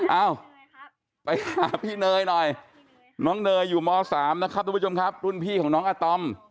เอ้าไปหาพี่เนยหน่อยน้องเนยอยู่ม๓นะครับทุกผู้ชมครับรุ่นพี่ของน้องอาตอม